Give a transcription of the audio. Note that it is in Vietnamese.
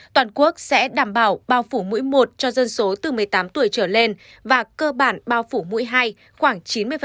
toàn quốc sẽ đảm bảo bao phủ mũi một cho dân số từ một mươi tám tuổi trở lên và cơ bản bao phủ mũi hai khoảng chín mươi